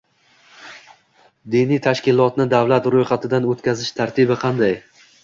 Diniy tashkilotni davlat ro‘yxatidan o‘tkazish tartibi qanday?